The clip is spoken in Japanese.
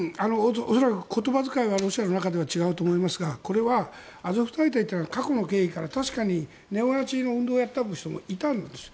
恐らく言葉遣いはロシアの中では違うと思いますがこれはアゾフ大隊というのは過去の経緯から確かにネオナチの運動をやっていた人もいたんです。